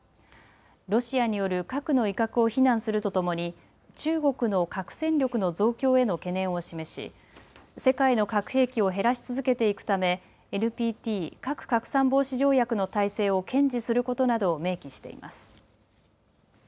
ロシアによる核の威嚇を非難するとともに、中国の核戦力の増強への懸念を示し、世界の核兵器を減らし続けていくため、ＮＰＴ・核拡散防止条約の体制を堅持することなどを明記しています。